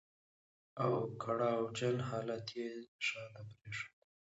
او کړاو جن حالات يې شاته پرېښودل.